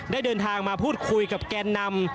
เดินทางมาพูดคุยกับแกนนำ